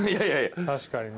確かにね。